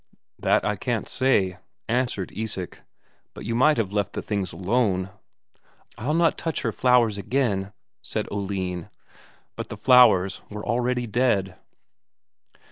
"That I can't say," answered Isak. "But you might have left the things alone." "I'll not touch her flowers again," said Oline. But the flowers were already dead.